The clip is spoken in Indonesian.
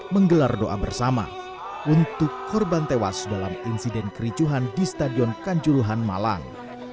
menggelar doa bersama untuk korban tewas dalam insiden kericuhan di stadion kanjuruhan malang